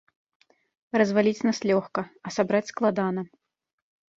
Разваліць нас лёгка, а сабраць складана.